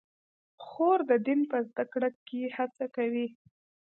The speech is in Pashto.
خور د دین په زده کړه کې هڅه کوي.